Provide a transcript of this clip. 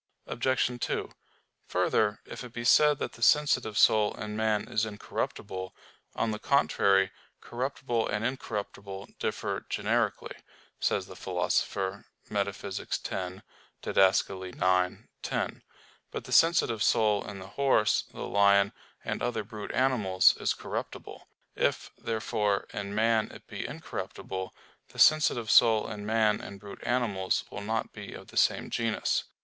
Obj. 2: Further, if it be said that the sensitive soul in man is incorruptible; on the contrary, "corruptible and incorruptible differ generically," says the Philosopher, Metaph. x (Did. ix, 10). But the sensitive soul in the horse, the lion, and other brute animals, is corruptible. If, therefore, in man it be incorruptible, the sensitive soul in man and brute animals will not be of the same genus.